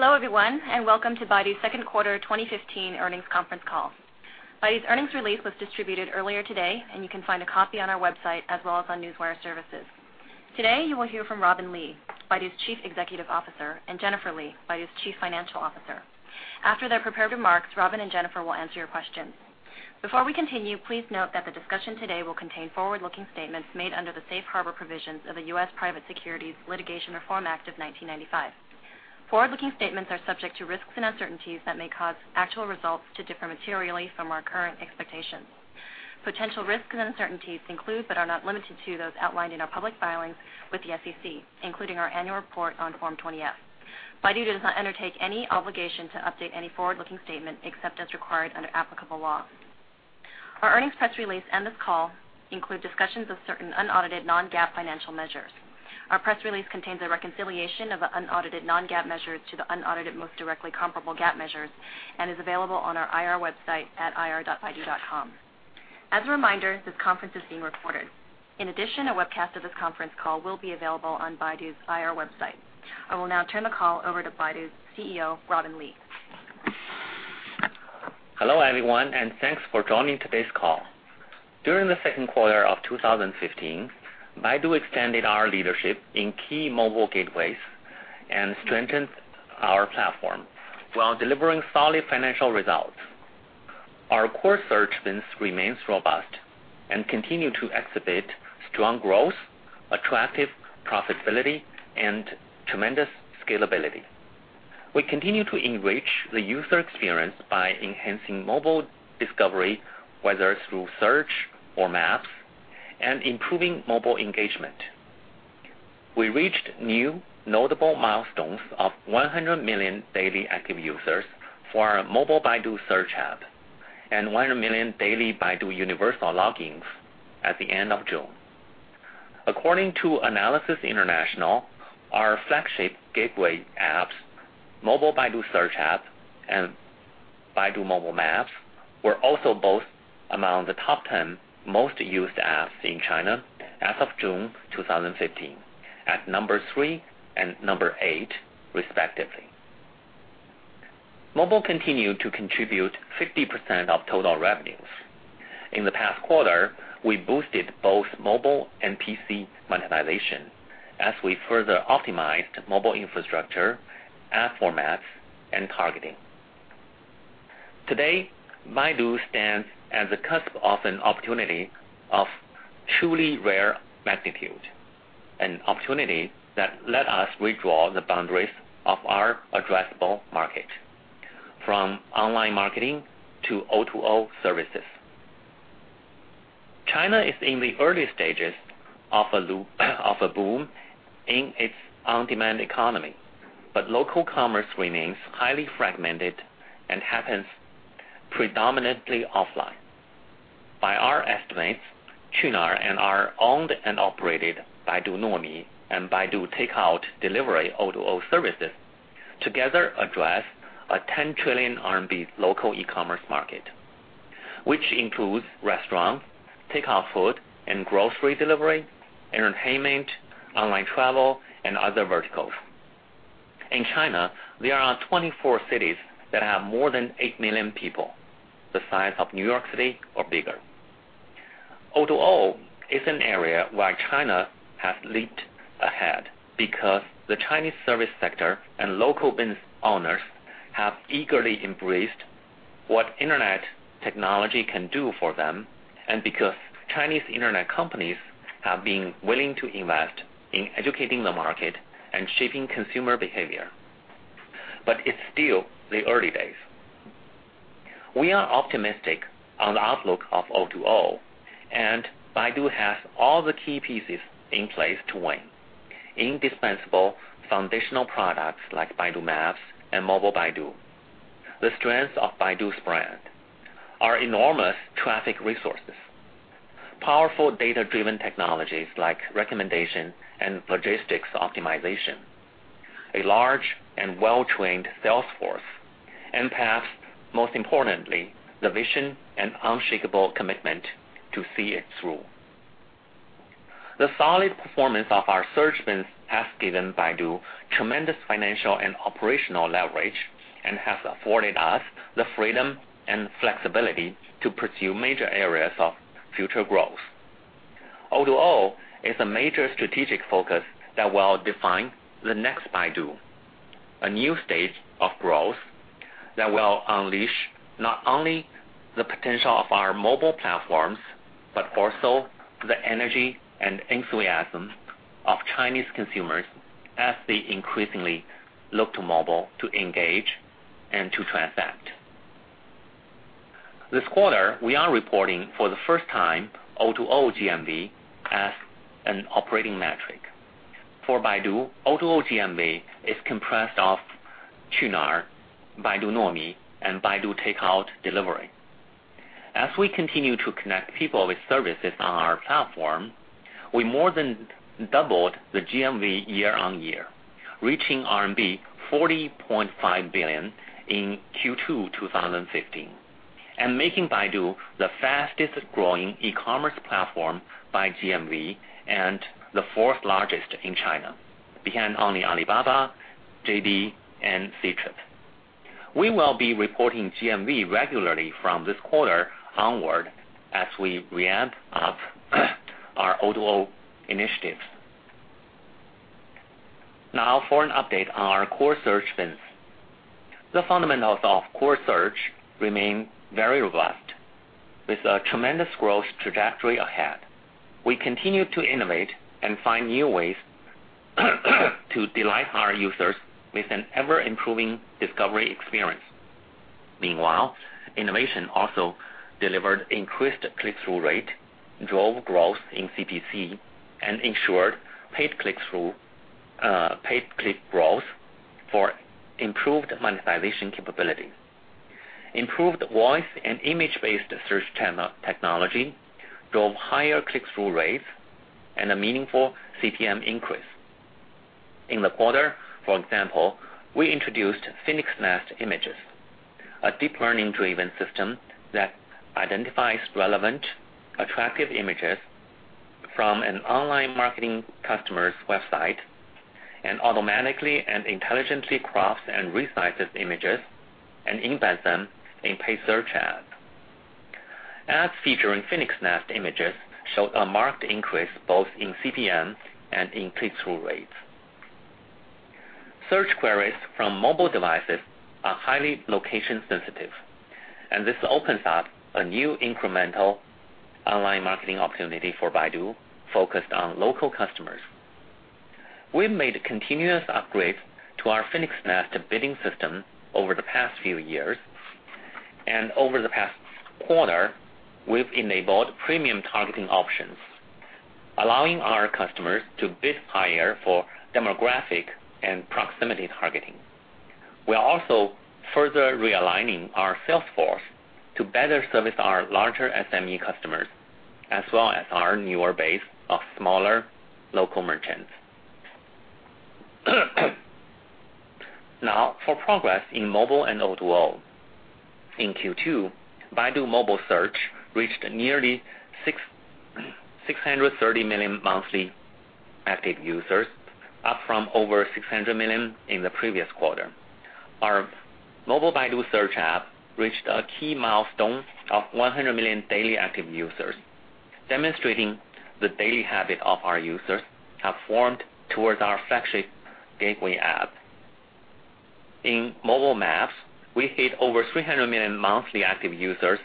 Hello, everyone, welcome to Baidu's second quarter 2015 earnings conference call. Baidu's earnings release was distributed earlier today, you can find a copy on our website as well as on Newswire services. Today you will hear from Robin Li, Baidu's Chief Executive Officer, and Jennifer Li, Baidu's Chief Financial Officer. After their prepared remarks, Robin and Jennifer will answer your questions. Before we continue, please note that the discussion today will contain forward-looking statements made under the Safe Harbor provisions of the U.S. Private Securities Litigation Reform Act of 1995. Forward-looking statements are subject to risks and uncertainties that may cause actual results to differ materially from our current expectations. Potential risks and uncertainties include, but are not limited to, those outlined in our public filings with the SEC, including our annual report on Form 20-F. Baidu does not undertake any obligation to update any forward-looking statement, except as required under applicable law. Our earnings press release, this call include discussions of certain unaudited non-GAAP financial measures. Our press release contains a reconciliation of unaudited non-GAAP measures to the unaudited most directly comparable GAAP measures and is available on our IR website at ir.baidu.com. As a reminder, this conference is being recorded. A webcast of this conference call will be available on Baidu's IR website. I will now turn the call over to Baidu's CEO, Robin Li. Hello, everyone, thanks for joining today's call. During the second quarter of 2015, Baidu extended our leadership in key mobile gateways and strengthened our platform while delivering solid financial results. Our core search business remains robust, continue to exhibit strong growth, attractive profitability, and tremendous scalability. We continue to enrich the user experience by enhancing mobile discovery, whether through search or maps, and improving mobile engagement. We reached new notable milestones of 100 million daily active users for our Baidu App and 100 million daily Baidu universal logins at the end of June. According to Analysys International, our flagship gateway apps, Baidu App, and Baidu Maps, were also both among the top 10 most used apps in China as of June 2015 at number 3 and number 8 respectively. Mobile continued to contribute 50% of total revenues. In the past quarter, we boosted both mobile and PC monetization as we further optimized mobile infrastructure, ad formats, and targeting. Today, Baidu stands at the cusp of an opportunity of truly rare magnitude, an opportunity that let us redraw the boundaries of our addressable market, from online marketing to O2O services. China is in the early stages of a boom in its on-demand economy, local commerce remains highly fragmented and happens predominantly offline. By our estimates, Qunar and our owned and operated Baidu Nuomi and Baidu Takeout Delivery O2O services together address a 10 trillion RMB local e-commerce market, which includes restaurants, takeout food and grocery delivery, entertainment, online travel, and other verticals. In China, there are 24 cities that have more than 8 million people, the size of New York City or bigger. O2O is an area where China has leaped ahead because the Chinese service sector and local business owners have eagerly embraced what internet technology can do for them, because Chinese internet companies have been willing to invest in educating the market and shaping consumer behavior. It's still the early days. We are optimistic on the outlook of O2O, Baidu has all the key pieces in place to win. Indispensable foundational products like Baidu Maps and Mobile Baidu. The strengths of Baidu's brand are enormous traffic resources, powerful data-driven technologies like recommendation and logistics optimization, a large and well-trained sales force, and perhaps most importantly, the vision and unshakable commitment to see it through. The solid performance of our search business has given Baidu tremendous financial and operational leverage and has afforded us the freedom and flexibility to pursue major areas of future growth. O2O is a major strategic focus that will define the next Baidu, a new stage of growth that will unleash not only the potential of our mobile platforms, but also the energy and enthusiasm of Chinese consumers as they increasingly look to mobile to engage and to transact. This quarter, we are reporting for the first time O2O GMV as an operating metric. For Baidu, O2O GMV is comprised of Qunar, Baidu Nuomi, and Baidu Takeout Delivery. As we continue to connect people with services on our platform, we more than doubled the GMV year-on-year, reaching RMB 40.5 billion in Q2 2015. Making Baidu the fastest-growing e-commerce platform by GMV, and the fourth largest in China, behind only Alibaba, JD, and Ctrip. We will be reporting GMV regularly from this quarter onward as we ramp up our O2O initiatives. For an update on our core search business. The fundamentals of core search remain very robust, with a tremendous growth trajectory ahead. We continue to innovate and find new ways to delight our users with an ever-improving discovery experience. Meanwhile, innovation also delivered increased click-through rate, drove growth in CPC, and ensured paid click growth for improved monetization capability. Improved voice and image-based search technology drove higher click-through rates and a meaningful CPM increase. In the quarter, for example, we introduced Phoenix Nest Images, a deep learning-driven system that identifies relevant, attractive images from an online marketing customer's website and automatically and intelligently crops and resizes images and embeds them in paid search Ads. Ads featuring Phoenix Nest Images showed a marked increase both in CPM and in click-through rates. Search queries from mobile devices are highly location-sensitive, this opens up a new incremental online marketing opportunity for Baidu focused on local customers. We've made continuous upgrades to our Phoenix Nest bidding system over the past few years, over the past quarter, we've enabled premium targeting options, allowing our customers to bid higher for demographic and proximity targeting. We're also further realigning our sales force to better service our larger SME customers, as well as our newer base of smaller local merchants. For progress in mobile and O2O. In Q2, Baidu mobile search reached nearly 630 million monthly active users, up from over 600 million in the previous quarter. Our Mobile Baidu search app reached a key milestone of 100 million daily active users, demonstrating the daily habit of our users have formed towards our flagship gateway app. In mobile maps, we hit over 300 million monthly active users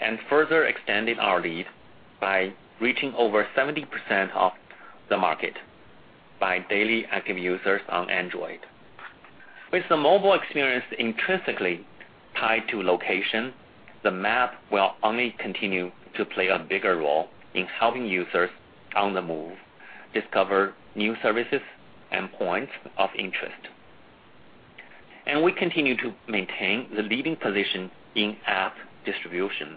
and further extended our lead by reaching over 70% of the market by daily active users on Android. With the mobile experience intrinsically tied to location, the map will only continue to play a bigger role in helping users on the move discover new services and points of interest. We continue to maintain the leading position in app distribution.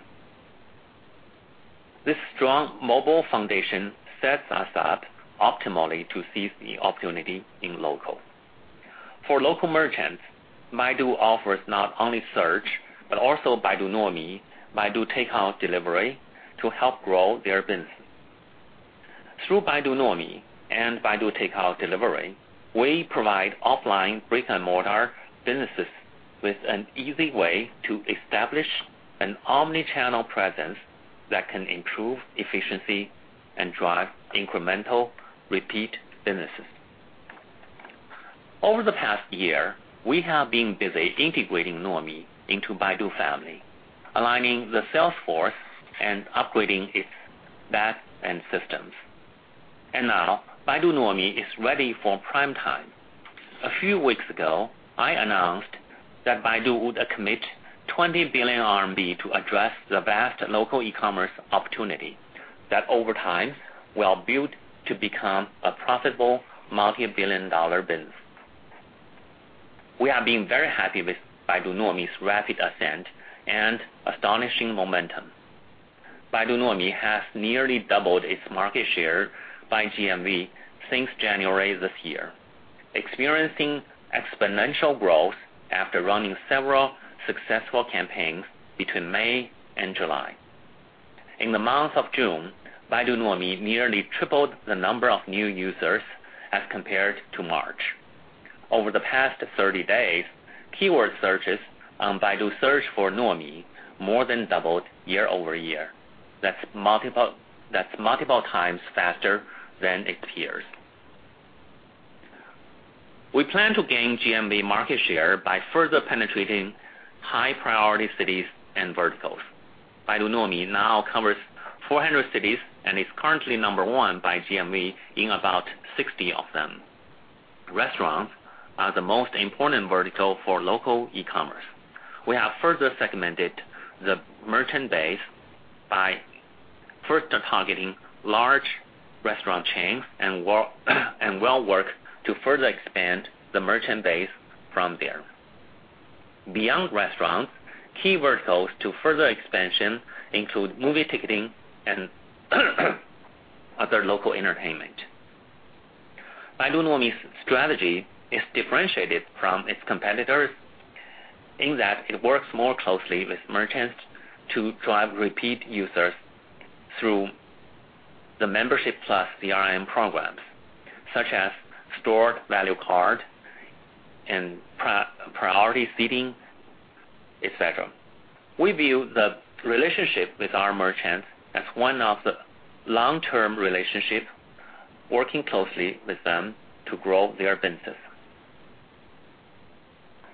This strong mobile foundation sets us up optimally to seize the opportunity in local. For local merchants, Baidu offers not only search but also Baidu Nuomi, Baidu Takeout Delivery to help grow their business. Through Baidu Nuomi and Baidu Takeout Delivery, we provide offline brick-and-mortar businesses with an easy way to establish an omni-channel presence that can improve efficiency and drive incremental repeat businesses. Over the past year, we have been busy integrating Nuomi into Baidu family, aligning the sales force, and upgrading its back end systems. Now Baidu Nuomi is ready for prime time. A few weeks ago, I announced that Baidu would commit 20 billion RMB to address the vast local e-commerce opportunity that over time will build to become a profitable multibillion-dollar business. We have been very happy with Baidu Nuomi's rapid ascent and astonishing momentum. Baidu Nuomi has nearly doubled its market share by GMV since January this year, experiencing exponential growth after running several successful campaigns between May and July. In the month of June, Baidu Nuomi nearly tripled the number of new users as compared to March. Over the past 30 days, keyword searches on Baidu search for Nuomi more than doubled year-over-year. That's multiple times faster than its peers. We plan to gain GMV market share by further penetrating high-priority cities and verticals. Baidu Nuomi now covers 400 cities and is currently number one by GMV in about 60 of them. Restaurants are the most important vertical for local e-commerce. We have further segmented the merchant base by first targeting large restaurant chains and will work to further expand the merchant base from there. Beyond restaurants, key verticals to further expansion include movie ticketing and other local entertainment. Baidu Nuomi's strategy is differentiated from its competitors in that it works more closely with merchants to drive repeat users through the membership plus CRM programs, such as stored value card and priority seating, et cetera. We view the relationship with our merchants as one of the long-term relationship, working closely with them to grow their business.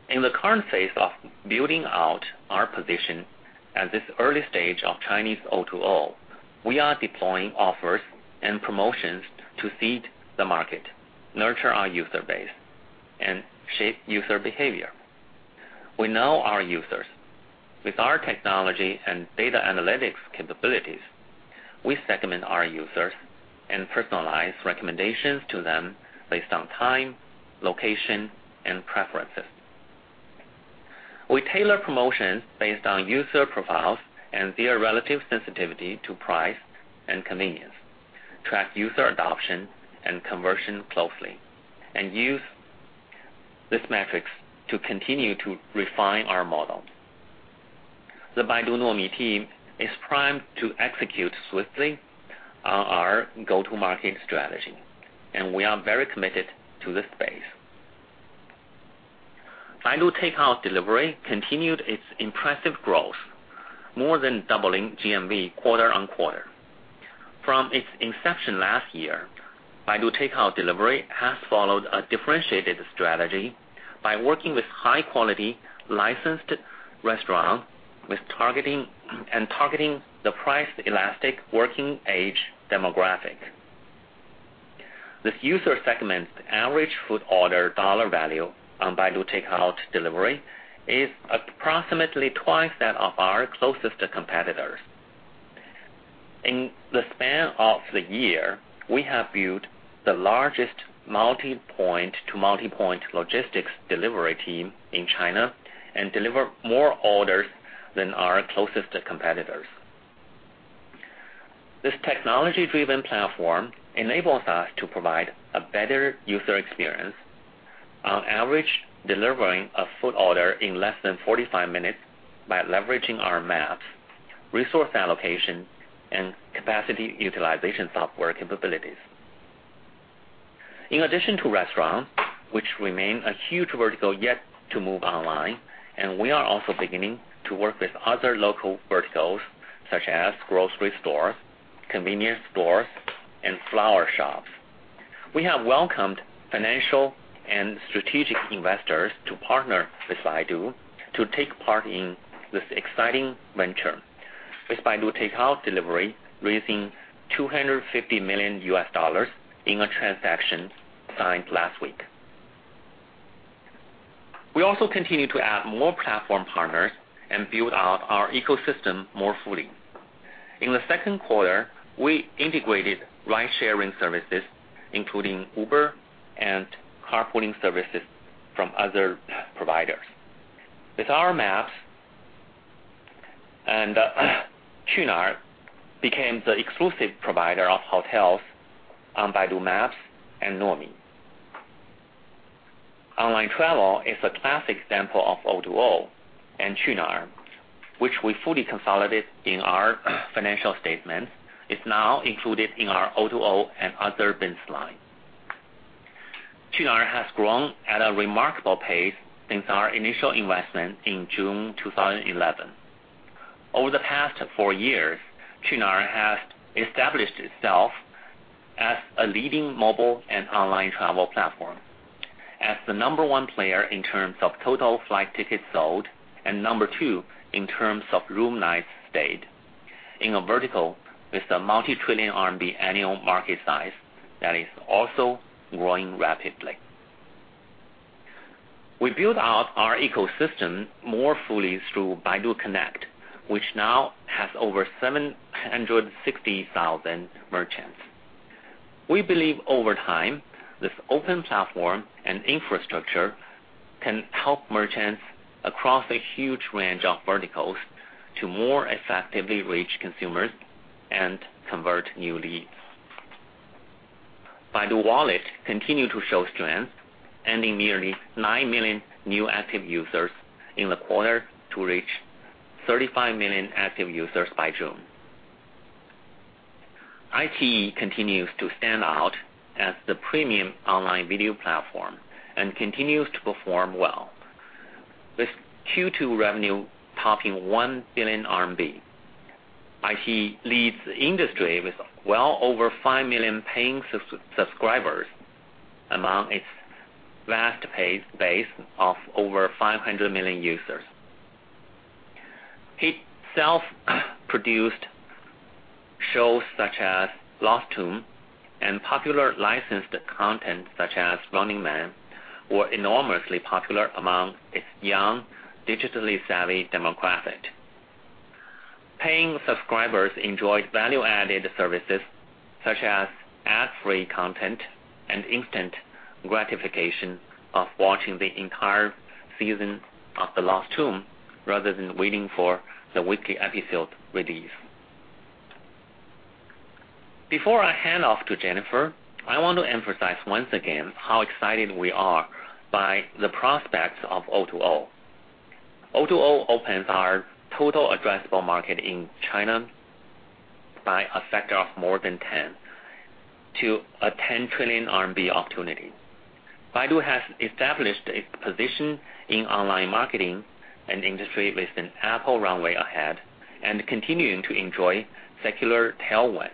In the current phase of building out our position at this early stage of Chinese O2O, we are deploying offers and promotions to seed the market, nurture our user base, and shape user behavior. We know our users. With our technology and data analytics capabilities, we segment our users and personalize recommendations to them based on time, location, and preferences. We tailor promotions based on user profiles and their relative sensitivity to price and convenience, track user adoption and conversion closely, and use these metrics to continue to refine our model. The Baidu Nuomi team is primed to execute swiftly on our go-to-market strategy, and we are very committed to this space. Baidu Takeout Delivery continued its impressive growth, more than doubling GMV quarter-on-quarter. From its inception last year, Baidu Takeout Delivery has followed a differentiated strategy by working with high-quality licensed restaurants and targeting the price-elastic working age demographic. This user segment's average food order dollar value on Baidu Takeout Delivery is approximately twice that of our closest competitors. In the span of the year, we have built the largest multipoint-to-multipoint logistics delivery team in China and deliver more orders than our closest competitors. This technology-driven platform enables us to provide a better user experience, on average delivering a food order in less than 45 minutes by leveraging our maps, resource allocation, and capacity utilization software capabilities. We are also beginning to work with other local verticals such as grocery stores, convenience stores, and flower shops. We have welcomed financial and strategic investors to partner with Baidu to take part in this exciting venture with Baidu Takeout Delivery, raising $250 million in a transaction signed last week. We also continue to add more platform partners and build out our ecosystem more fully. In the second quarter, we integrated ride-sharing services, including Uber and carpooling services from other providers. With our maps, Qunar became the exclusive provider of hotels on Baidu Maps and Nuomi. Online travel is a classic example of O2O, Qunar, which we fully consolidate in our financial statements, is now included in our O2O and other bins line. Qunar has grown at a remarkable pace since our initial investment in June 2011. Over the past four years, Qunar has established itself as a leading mobile and online travel platform. As the number 1 player in terms of total flight tickets sold and number 2 in terms of room nights stayed in a vertical with a multi-trillion RMB annual market size that is also growing rapidly. We build out our ecosystem more fully through Baidu Connect, which now has over 760,000 merchants. We believe over time, this open platform and infrastructure can help merchants across a huge range of verticals to more effectively reach consumers and convert new leads. Baidu Wallet continued to show strength, adding nearly 9 million new active users in the quarter to reach 35 million active users by June. iQIYI continues to stand out as the premium online video platform and continues to perform well. With Q2 revenue topping 1 billion RMB, iQIYI leads the industry with well over 5 million paying subscribers among its vast paid base of over 500 million users. Its self-produced shows such as Lost Tomb and popular licensed content such as Running Man were enormously popular among its young, digitally savvy demographic. Paying subscribers enjoyed value-added services such as ad-free content and instant gratification of watching the entire season of The Lost Tomb rather than waiting for the weekly episode release. Before I hand off to Jennifer, I want to emphasize once again how excited we are by the prospects of O2O. O2O opens our total addressable market in China by a factor of more than 10 to a 10 trillion RMB opportunity. Baidu has established its position in online marketing, an industry with an ample runway ahead and continuing to enjoy secular tailwind.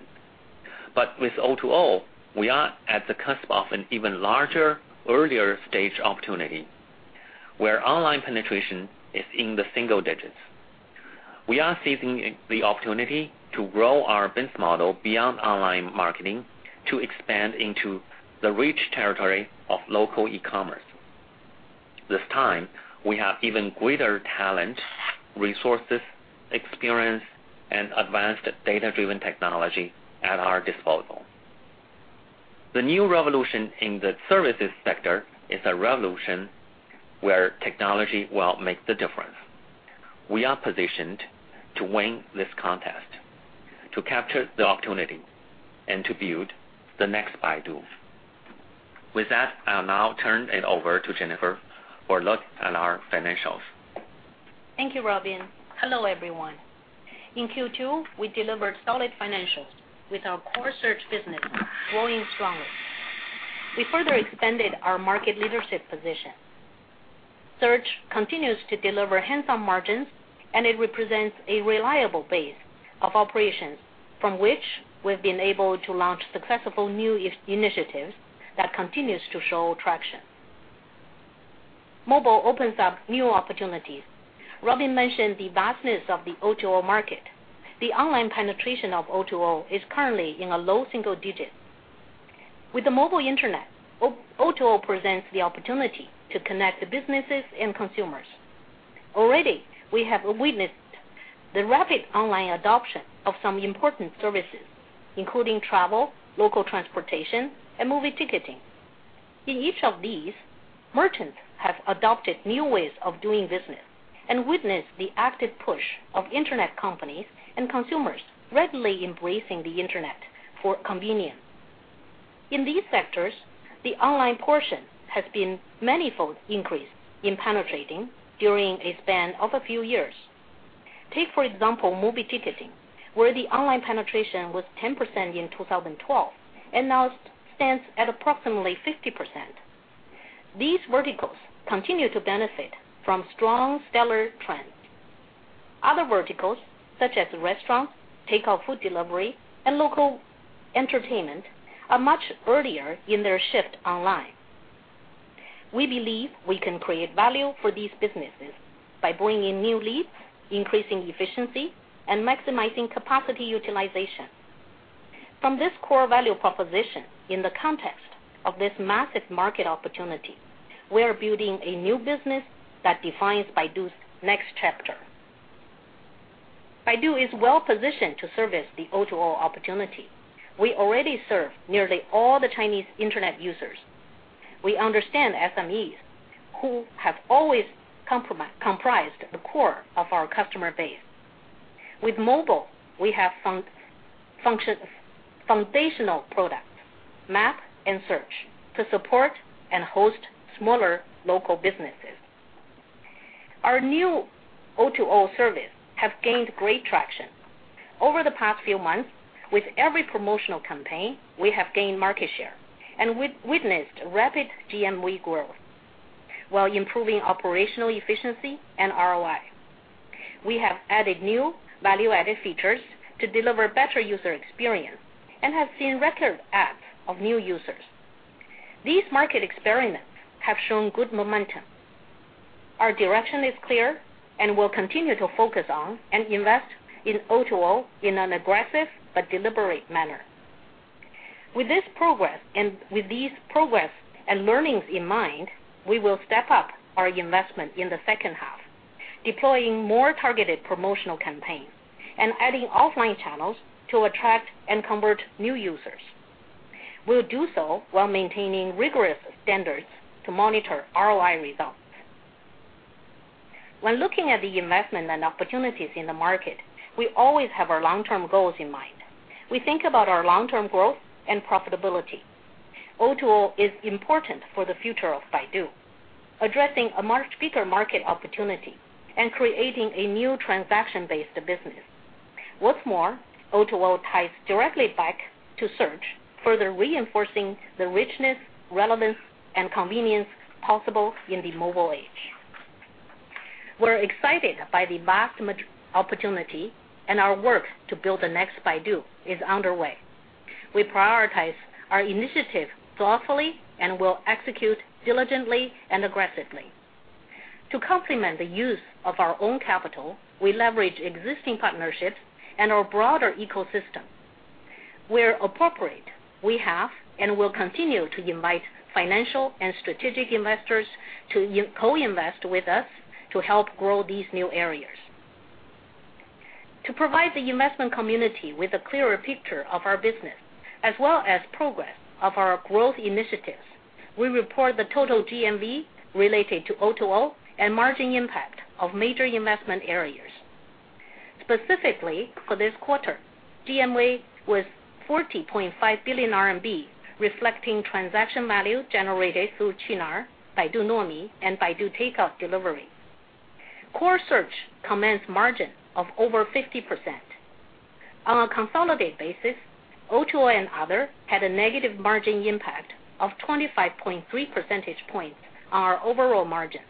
With O2O, we are at the cusp of an even larger, earlier stage opportunity, where online penetration is in the single digits. We are seizing the opportunity to grow our business model beyond online marketing to expand into the rich territory of local e-commerce. This time, we have even greater talent, resources, experience, and advanced data-driven technology at our disposal. The new revolution in the services sector is a revolution where technology will make the difference. We are positioned to win this contest, to capture the opportunity, and to build the next Baidu. With that, I'll now turn it over to Jennifer for a look at our financials. Thank you, Robin. Hello, everyone. In Q2, we delivered solid financials with our core search business growing strongly. We further expanded our market leadership position. Search continues to deliver handsome margins, and it represents a reliable base of operations from which we've been able to launch successful new initiatives that continues to show traction. Mobile opens up new opportunities. Robin mentioned the vastness of the O2O market. The online penetration of O2O is currently in a low single digit. With the mobile internet, O2O presents the opportunity to connect the businesses and consumers. Already, we have witnessed the rapid online adoption of some important services, including travel, local transportation, and movie ticketing. In each of these, merchants have adopted new ways of doing business and witnessed the active push of internet companies and consumers readily embracing the internet for convenience. In these sectors, the online portion has been manyfold increased in penetrating during a span of a few years. Take, for example, movie ticketing, where the online penetration was 10% in 2012 and now stands at approximately 50%. These verticals continue to benefit from strong stellar trends. Other verticals, such as restaurants, takeout food delivery, and local entertainment, are much earlier in their shift online. We believe we can create value for these businesses by bringing in new leads, increasing efficiency, and maximizing capacity utilization. From this core value proposition in the context of this massive market opportunity, we are building a new business that defines Baidu's next chapter. Baidu is well positioned to service the O2O opportunity. We already serve nearly all the Chinese internet users. We understand SMEs who have always comprised the core of our customer base. With mobile, we have foundational product, map, and search to support and host smaller local businesses. Our new O2O service have gained great traction. Over the past few months, with every promotional campaign, we have gained market share and witnessed rapid GMV growth while improving operational efficiency and ROI. We have added new value-added features to deliver better user experience and have seen record adds of new users. These market experiments have shown good momentum. Our direction is clear and will continue to focus on and invest in O2O in an aggressive but deliberate manner. With these progress and learnings in mind, we will step up our investment in the second half, deploying more targeted promotional campaigns and adding offline channels to attract and convert new users. We'll do so while maintaining rigorous standards to monitor ROI results. When looking at the investment and opportunities in the market, we always have our long-term goals in mind. We think about our long-term growth and profitability. O2O is important for the future of Baidu, addressing a much bigger market opportunity and creating a new transaction-based business. What's more, O2O ties directly back to search, further reinforcing the richness, relevance, and convenience possible in the mobile age. We're excited by the vast opportunity and our work to build the next Baidu is underway. We prioritize our initiative thoughtfully and will execute diligently and aggressively. To complement the use of our own capital, we leverage existing partnerships and our broader ecosystem. Where appropriate, we have and will continue to invite financial and strategic investors to co-invest with us to help grow these new areas. To provide the investment community with a clearer picture of our business, as well as progress of our growth initiatives. We report the total GMV related to O2O and margin impact of major investment areas. Specifically for this quarter, GMV was 40.5 billion RMB, reflecting transaction value generated through Qunar, Baidu Nuomi, and Baidu Takeout Delivery. Core search commanded margin of over 50%. On a consolidated basis, O2O and other had a negative margin impact of 25.3 percentage points on our overall margin.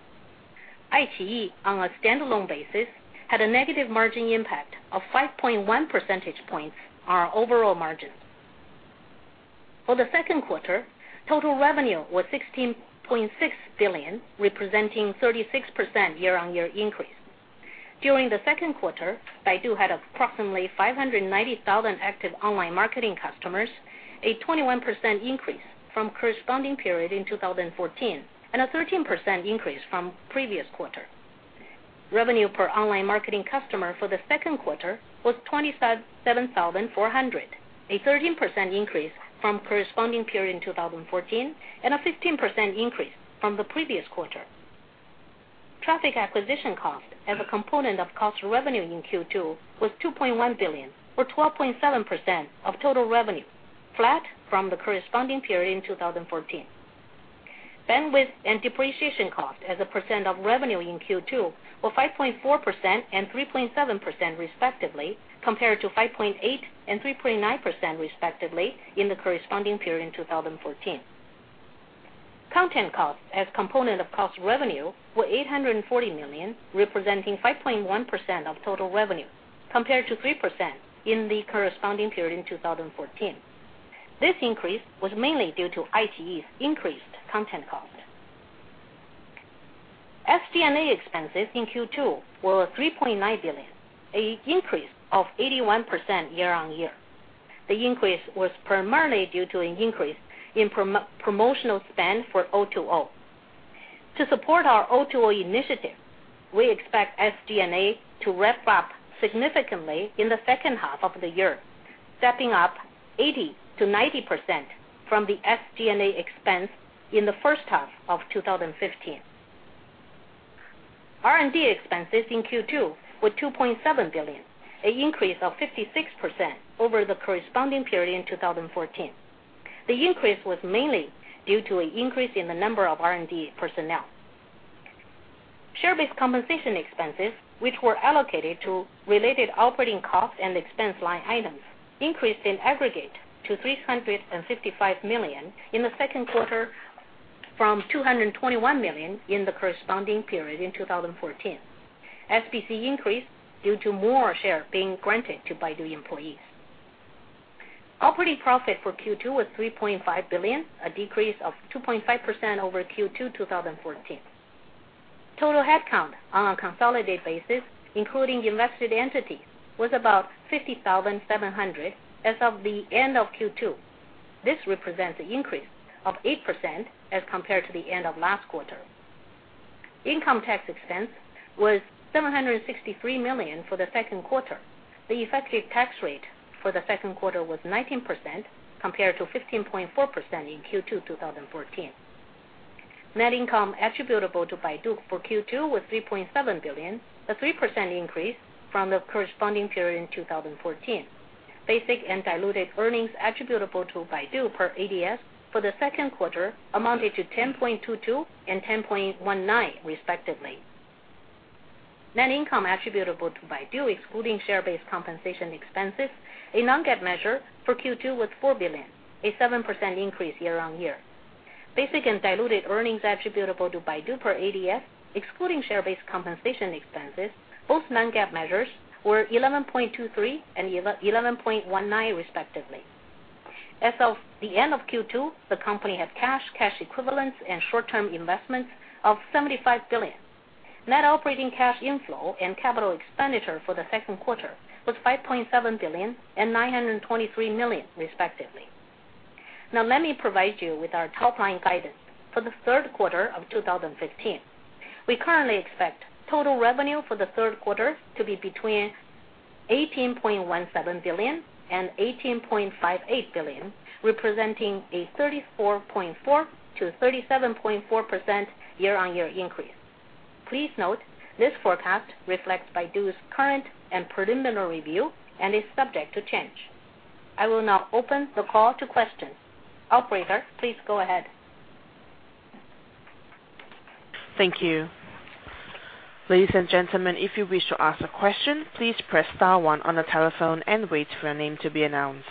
iQIYI, on a standalone basis, had a negative margin impact of 5.1 percentage points on our overall margin. For the second quarter, total revenue was 16.6 billion, representing 36% year-on-year increase. During the second quarter, Baidu had approximately 590,000 active online marketing customers, a 21% increase from corresponding period in 2014, and a 13% increase from previous quarter. Revenue per online marketing customer for the second quarter was 27,400, a 13% increase from corresponding period in 2014, and a 15% increase from the previous quarter. Traffic acquisition cost as a component of cost revenue in Q2 was 2.1 billion, or 12.7% of total revenue, flat from the corresponding period in 2014. Bandwidth and depreciation cost as a percent of revenue in Q2 were 5.4% and 3.7% respectively, compared to 5.8% and 3.9% respectively in the corresponding period in 2014. Content costs as component of cost revenue were 840 million, representing 5.1% of total revenue, compared to 3% in the corresponding period in 2014. This increase was mainly due to iQIYI's increased content cost. SG&A expenses in Q2 were 3.9 billion, an increase of 81% year-on-year. The increase was primarily due to an increase in promotional spend for O2O. To support our O2O initiative, we expect SG&A to ramp up significantly in the second half of the year, stepping up 80%-90% from the SG&A expense in the first half of 2015. R&D expenses in Q2 were 2.7 billion, an increase of 56% over the corresponding period in 2014. The increase was mainly due to an increase in the number of R&D personnel. Share-based compensation expenses, which were allocated to related operating costs and expense line items, increased in aggregate to 355 million in the second quarter from 221 million in the corresponding period in 2014. SBC increased due to more shares being granted to Baidu employees. Operating profit for Q2 was 3.5 billion, a decrease of 2.5% over Q2 2014. Total headcount on a consolidated basis, including invested entity, was about 50,700 as of the end of Q2. This represents an increase of 8% as compared to the end of last quarter. Income tax expense was 763 million for the second quarter. The effective tax rate for the second quarter was 19%, compared to 15.4% in Q2 2014. Net income attributable to Baidu for Q2 was 3.7 billion, a 3% increase from the corresponding period in 2014. Basic and diluted earnings attributable to Baidu per ADS for the second quarter amounted to 10.22 and 10.19 respectively. Net income attributable to Baidu excluding share-based compensation expenses, a non-GAAP measure for Q2 was 4 billion, a 7% increase year-on-year. Basic and diluted earnings attributable to Baidu per ADS excluding share-based compensation expenses, both non-GAAP measures, were 11.23 and 11.19 respectively. As of the end of Q2, the company had cash equivalents, and short-term investments of 75 billion. Net operating cash inflow and capital expenditure for the second quarter was 5.7 billion and 923 million respectively. Let me provide you with our top-line guidance for the third quarter of 2015. We currently expect total revenue for the third quarter to be between 18.17 billion and 18.58 billion, representing a 34.4%-37.4% year-on-year increase. Please note this forecast reflects Baidu's current and preliminary review and is subject to change. I will now open the call to questions. Operator, please go ahead. Thank you. Ladies and gentlemen, if you wish to ask a question, please press star one on the telephone and wait for your name to be announced.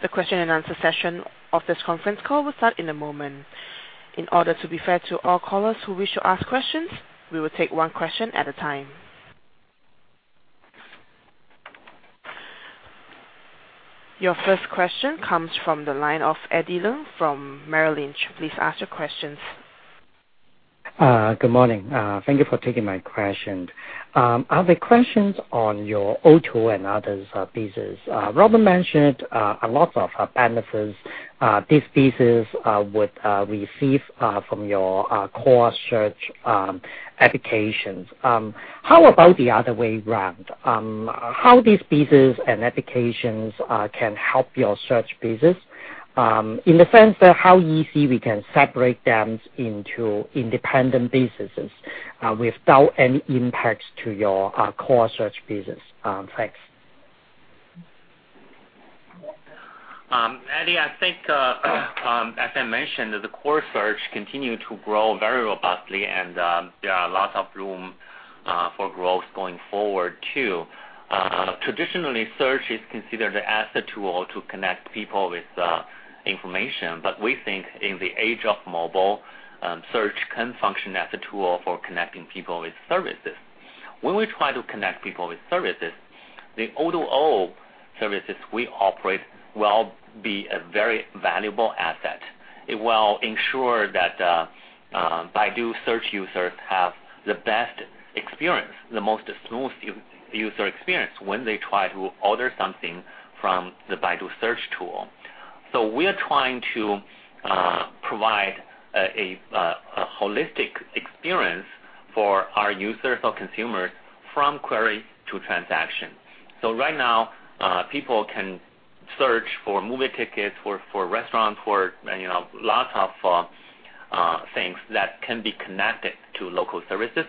The question and answer session of this conference call will start in a moment. In order to be fair to all callers who wish to ask questions, we will take one question at a time. Your first question comes from the line of Eddie Leung from Merrill Lynch. Please ask your questions. Good morning. Thank you for taking my question. I have the questions on your O2O and others pieces. Robin mentioned a lot of benefits these pieces would receive from your core search applications. How about the other way around? How these pieces and applications can help your search pieces? In the sense that how easy we can separate them into independent businesses without any impact to your core search business. Thanks. Eddie, I think as I mentioned, the core search continued to grow very robustly. There are lots of room for growth going forward, too. Traditionally, search is considered as a tool to connect people with information. We think in the age of mobile, search can function as a tool for connecting people with services. When we try to connect people with services, the O2O services we operate will be a very valuable asset. It will ensure that Baidu search users have the best experience, the most smooth user experience, when they try to order something from the Baidu search tool. We're trying to provide a holistic experience for our users or consumers from query to transaction. Right now, people can search for movie tickets, for restaurants, for lots of things that can be connected to local services.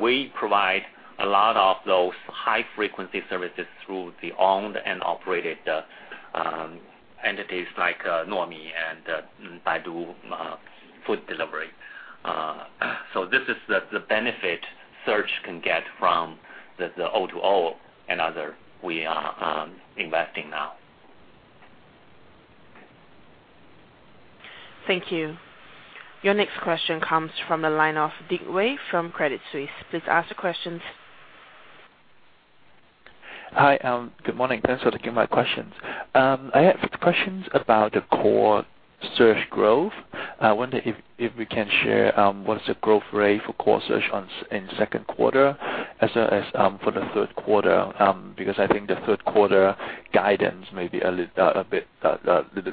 We provide a lot of those high-frequency services through the owned and operated entities like Nuomi and Baidu Takeout Delivery. This is the benefit search can get from the O2O and other we are investing now. Thank you. Your next question comes from the line of Dick Wei from Credit Suisse. Please ask your questions. Hi, good morning. Thanks for taking my questions. I have questions about the core search growth. I wonder if we can share what is the growth rate for core search in second quarter as for the third quarter, because I think the third quarter guidance may be a little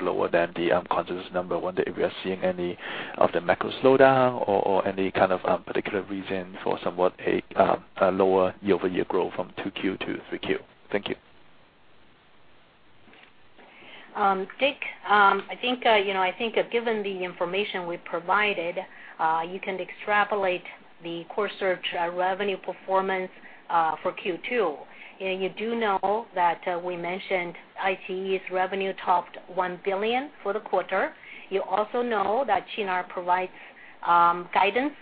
lower than the consensus number. I wonder if we are seeing any of the macro slowdown or any kind of particular reason for somewhat a lower year-over-year growth from 2Q to 3Q. Thank you. Dick, I think, given the information we provided, you can extrapolate the core search revenue performance for Q2. You do know that we mentioned iQIYI's revenue topped 1 billion for the quarter. You also know that Qunar provides guidance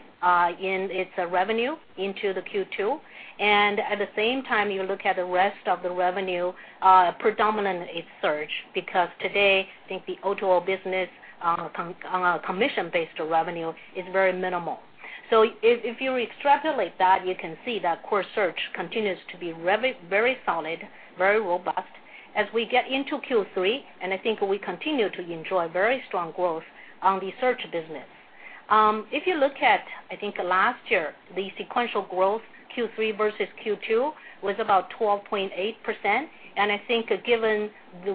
in its revenue into the Q2. At the same time, you look at the rest of the revenue, predominantly it's search, because today, I think the O2O business commission-based revenue is very minimal. If you extrapolate that, you can see that core search continues to be very solid, very robust as we get into Q3, and I think we continue to enjoy very strong growth on the search business. If you look at, I think, last year, the sequential growth, Q3 versus Q2, was about 12.8%, and I think given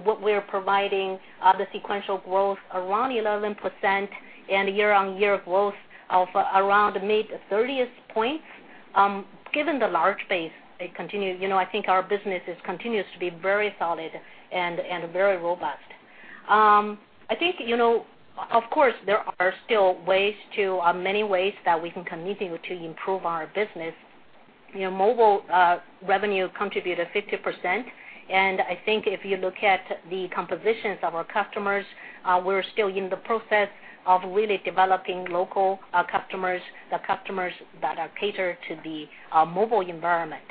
what we're providing, the sequential growth around 11% and year-on-year growth of around mid-30s points. Given the large base, I think our business continues to be very solid and very robust. I think, of course, there are still many ways that we can continue to improve our business. Mobile revenue contributed 50%, and I think if you look at the compositions of our customers, we're still in the process of really developing local customers, the customers that are catered to the mobile environment.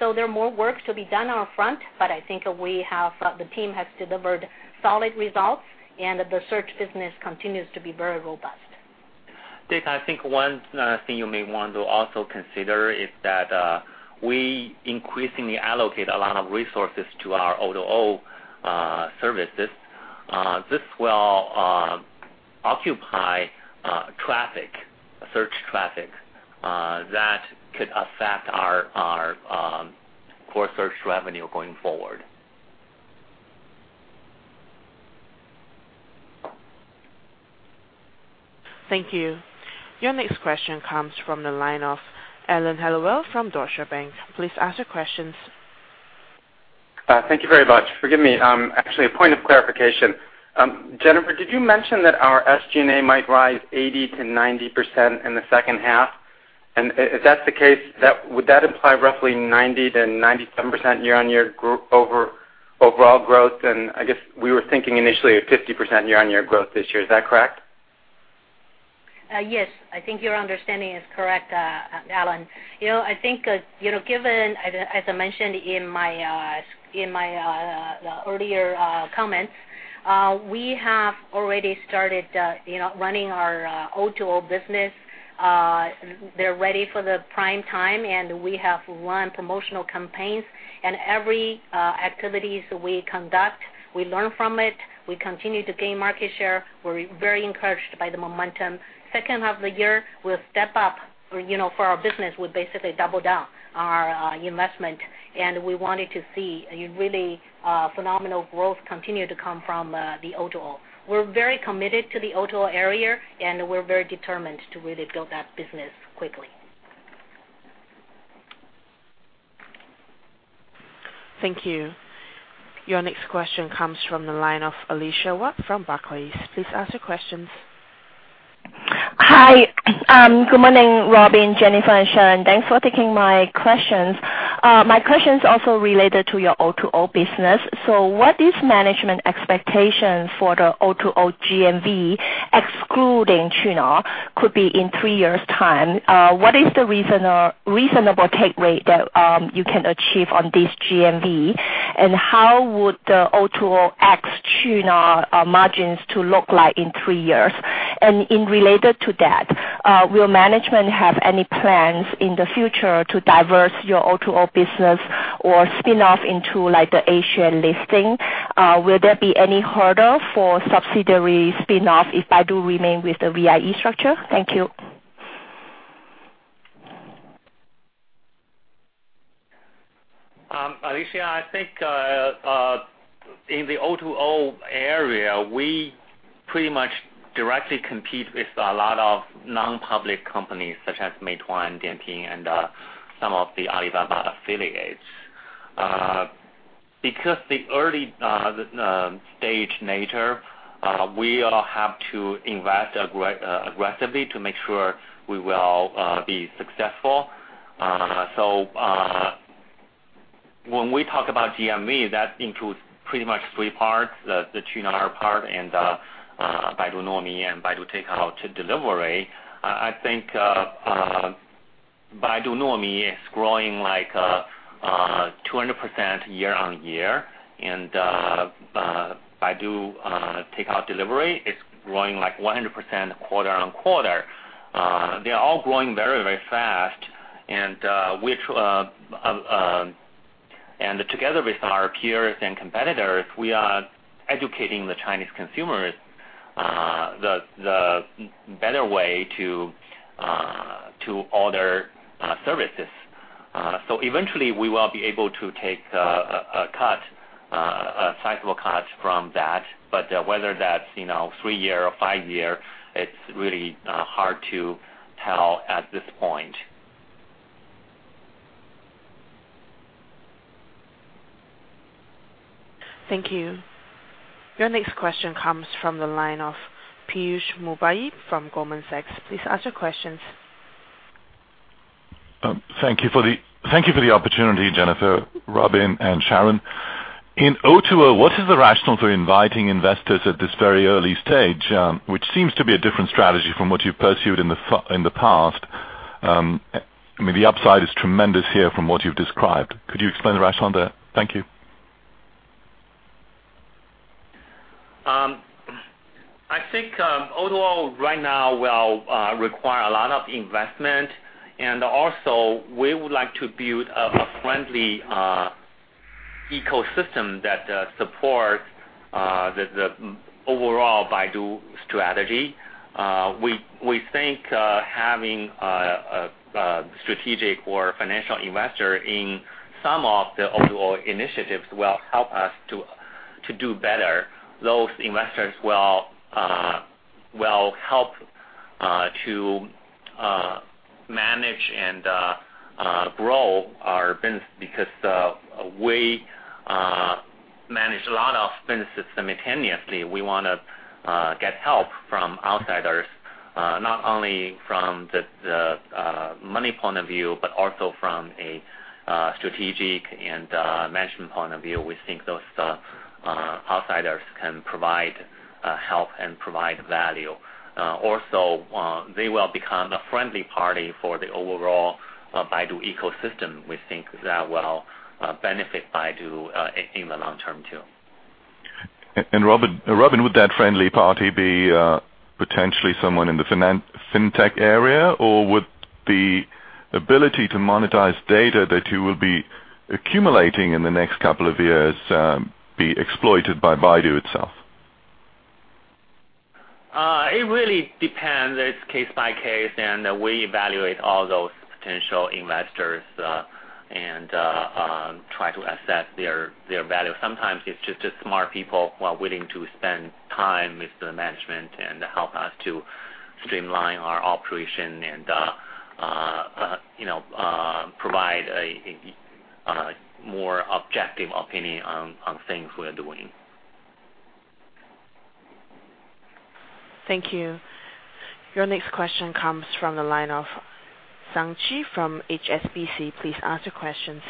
So there are more work to be done on our front, but I think the team has delivered solid results, and the search business continues to be very robust. Dick, I think one thing you may want to also consider is that we increasingly allocate a lot of resources to our O2O services. This will occupy traffic, search traffic, that could affect our core search revenue going forward. Thank you. Your next question comes from the line of Alan Hellawell from Deutsche Bank. Please ask your questions. Thank you very much. Forgive me. Actually, a point of clarification. Jennifer, did you mention that our SG&A might rise 80%-90% in the second half? If that's the case, would that imply roughly 90%-97% year-on-year overall growth? I guess we were thinking initially of 50% year-on-year growth this year. Is that correct? Yes. I think your understanding is correct, Alan. I think, as I mentioned in my earlier comments, we have already started running our O2O business. They're ready for the prime time. We have run promotional campaigns, and every activities we conduct, we learn from it. We continue to gain market share. We're very encouraged by the momentum. Second half of the year, we'll step up for our business. We'll basically double down our investment. We wanted to see a really phenomenal growth continue to come from the O2O. We're very committed to the O2O area. We're very determined to really build that business quickly. Thank you. Your next question comes from the line of Alicia Yap from Barclays. Please ask your questions. Hi. Good morning, Robin, Jennifer, and Sharon. Thanks for taking my questions. My question's also related to your O2O business. What is management expectations for the O2O GMV, excluding Qunar, could be in three years time? What is the reasonable take rate that you can achieve on this GMV? How would the O2O ex Qunar margins to look like in three years? In related to that, will management have any plans in the future to divest your O2O business or spin-off into like the A-share listing? Will there be any hurdle for subsidiary spin-off if Baidu remain with the VIE structure? Thank you. Alicia, I think, in the O2O area, we pretty much directly compete with a lot of non-public companies such as Meituan, Dianping, and some of the Alibaba affiliates. Because the early stage nature, we all have to invest aggressively to make sure we will be successful. When we talk about GMV, that includes pretty much three parts, the Qunar part and the Baidu Nuomi and Baidu Takeout Delivery. I think Baidu Nuomi is growing like 200% year-on-year. Baidu Takeout Delivery is growing like 100% quarter-on-quarter. They are all growing very, very fast and together with our peers and competitors, we are educating the Chinese consumers the better way to order services. Eventually we will be able to take a sizable cut from that. But whether that's three year or five year, it's really hard to tell at this point. Thank you. Your next question comes from the line of Piyush Mubayi from Goldman Sachs. Please ask your questions. Thank you for the opportunity, Jennifer, Robin, and Sharon. In O2O, what is the rationale for inviting investors at this very early stage, which seems to be a different strategy from what you've pursued in the past? I mean, the upside is tremendous here from what you've described. Could you explain the rationale there? Thank you. I think O2O right now will require a lot of investment. Also, we would like to build a friendly ecosystem that supports the overall Baidu strategy. We think having a strategic or financial investor in some of the O2O initiatives will help us to do better. Those investors will help to manage and grow our business because we manage a lot of businesses simultaneously. We want to get help from outsiders, not only from the money point of view, but also from a strategic and management point of view. We think those outsiders can provide help and provide value. Also, they will become the friendly party for the overall Baidu ecosystem. We think that will benefit Baidu in the long term too. Robin, would that friendly party be potentially someone in the fintech area? Or would the ability to monetize data that you will be accumulating in the next couple of years be exploited by Baidu itself? It really depends. It's case by case. We evaluate all those potential investors and try to assess their value. Sometimes it's just smart people who are willing to spend time with the management and help us to streamline our operation and provide a more objective opinion on things we're doing. Thank you. Your next question comes from the line of Chi Tsang from HSBC. Please ask your questions.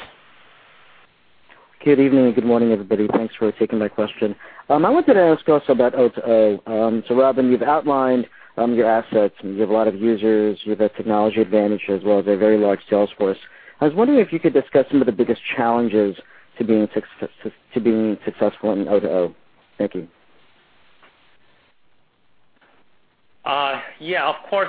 Good evening and good morning, everybody. Thanks for taking my question. I wanted to ask also about O2O. Robin, you've outlined your assets, and you have a lot of users. You have a technology advantage as well as a very large sales force. I was wondering if you could discuss some of the biggest challenges to being successful in O2O. Thank you. Of course,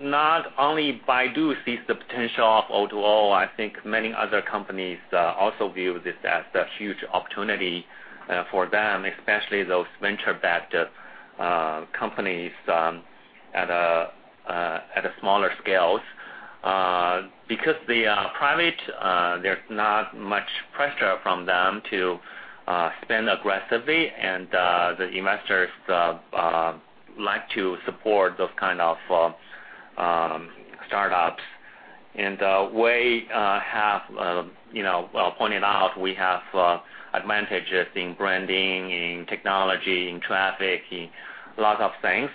not only Baidu sees the potential of O2O, I think many other companies also view this as a huge opportunity for them, especially those venture-backed companies at a smaller scales. Because they are private, there's not much pressure from them to spend aggressively, the investors like to support those kind of startups. We have, pointed out, we have advantages in branding, in technology, in traffic, in lots of things.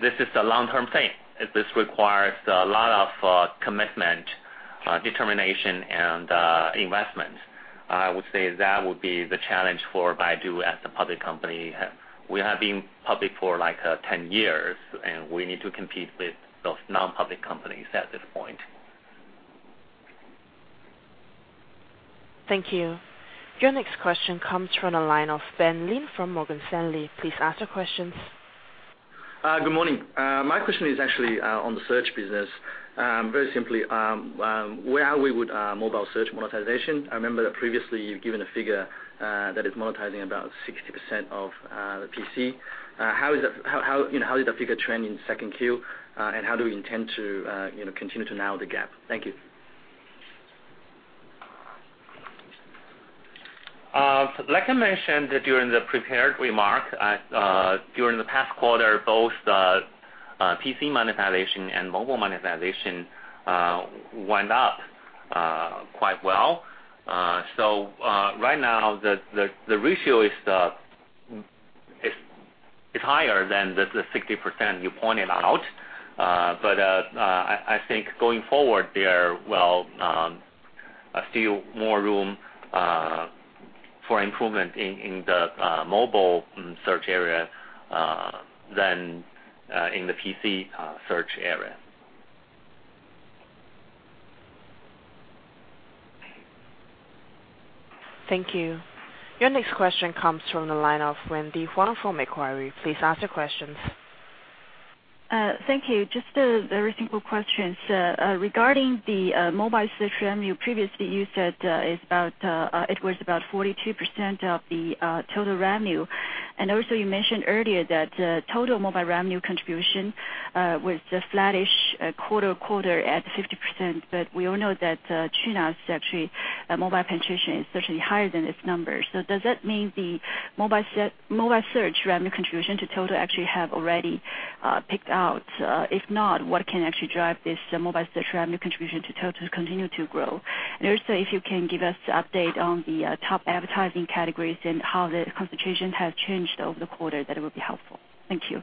This is a long-term thing. This requires a lot of commitment, determination, and investment. I would say that would be the challenge for Baidu as a public company. We have been public for 10 years, and we need to compete with those non-public companies at this point. Thank you. Your next question comes from the line of Ben Lin from Morgan Stanley. Please ask your questions. Good morning. My question is actually on the search business. Very simply, where are we with mobile search monetization? I remember that previously you've given a figure that is monetizing about 60% of the PC. How did the figure trend in second Q, and how do we intend to continue to narrow the gap? Thank you. Like I mentioned during the prepared remark, during the past quarter, both the PC monetization and mobile monetization went up quite well. Right now, the ratio is higher than the 60% you pointed out. I think going forward, there are still more room for improvement in the mobile search area than in the PC search area. Thank you. Your next question comes from the line of Wendy Huang from Macquarie. Please ask your questions. Thank you. Just a very simple question, sir. Regarding the mobile search revenue, previously you said it was about 42% of the total revenue. Also you mentioned earlier that total mobile revenue contribution was flattish quarter-over-quarter at 50%, but we all know that Qunar's actually mobile penetration is certainly higher than its numbers. Does that mean the mobile search revenue contribution to total actually have already peaked out? If not, what can actually drive this mobile search revenue contribution to total to continue to grow? Also, if you can give us update on the top advertising categories and how the competition has changed over the quarter, that would be helpful. Thank you.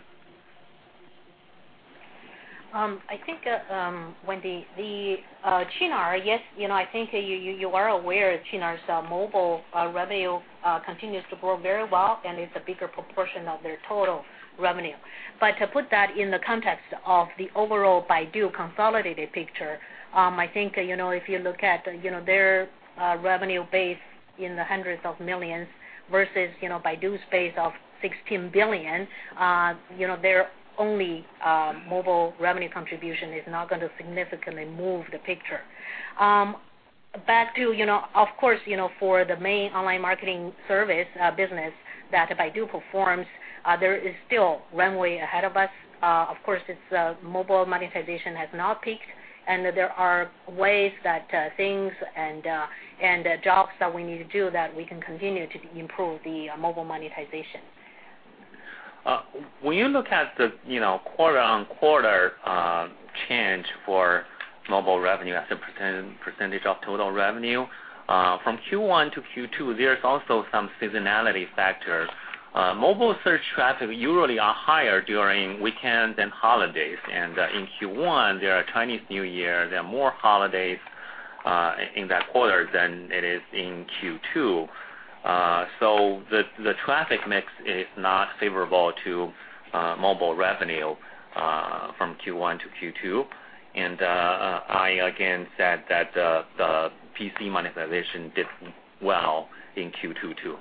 I think, Wendy, the Qunar, yes, I think you are aware Qunar's mobile revenue continues to grow very well and is a bigger proportion of their total revenue. To put that in the context of the overall Baidu consolidated picture, I think, if you look at their revenue base in the hundreds of millions versus Baidu's base of 16 billion, their only mobile revenue contribution is not going to significantly move the picture. Back to, of course, for the main online marketing service business that Baidu performs, there is still runway ahead of us. Of course, its mobile monetization has not peaked, and there are ways that things and jobs that we need to do that we can continue to improve the mobile monetization. When you look at the quarter-on-quarter change for mobile revenue as a percentage of total revenue, from Q1 to Q2, there is also some seasonality factors. Mobile search traffic usually are higher during weekends and holidays. In Q1, there are Chinese New Year, there are more holidays in that quarter than it is in Q2. The traffic mix is not favorable to mobile revenue from Q1 to Q2. I again said that the PC monetization did well in Q2 too.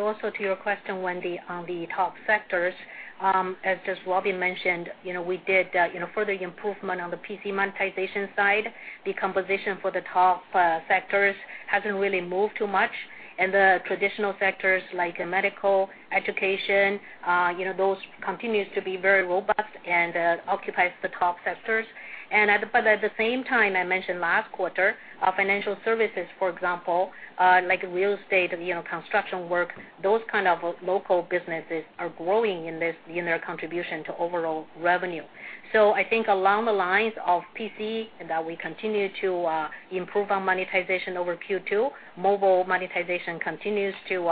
Also to your question, Wendy, on the top sectors, as Robin mentioned, we did further improvement on the PC monetization side. The composition for the top sectors has not really moved too much, the traditional sectors like medical, education, those continues to be very robust and occupies the top sectors. At the same time, I mentioned last quarter, financial services, for example like real estate and construction work, those kind of local businesses are growing in their contribution to overall revenue. I think along the lines of PC, that we continue to improve our monetization over Q2, mobile monetization continues to